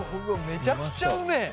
めちゃくちゃうめえ。